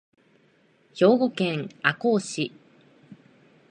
兵庫県赤穂市